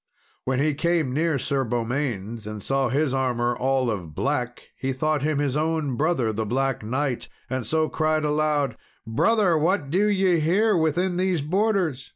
When he came near Sir Beaumains, and saw his armour all of black, he thought him his own brother, the Black Knight, and so cried aloud, "Brother! what do ye here, within these borders?"